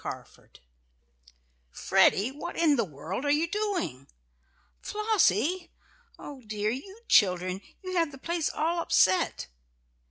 CARFORD "Freddie, what in the world are you doing?" "Flossie! Oh dear! You children! You have the place all upset!"